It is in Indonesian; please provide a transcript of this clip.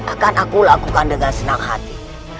akan aku lakukan dengan senang hati